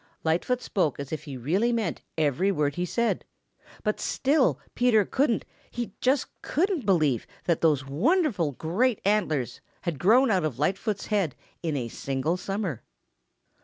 Lightfoot spoke as if he really meant every word he said, but still Peter couldn't, he just couldn't believe that those wonderful great antlers had grown out of Lightfoot's head in a single summer.